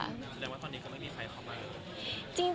ถึงแต่ว่าตอนนี้ก็ไม่มีใครเข้ามา